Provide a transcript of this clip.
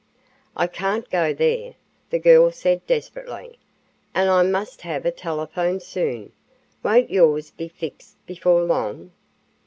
"I can't go there," the girl said desperately. "And I must have a telephone soon. Won't yours be fixed before long?"